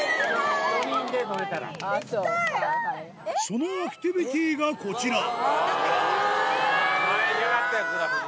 そのアクティビティがこちらあぁ！